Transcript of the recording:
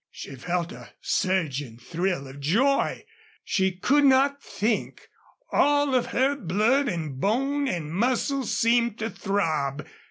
She felt a surging thrill of joy. She could not think. All of her blood and bone and muscle seemed to throb.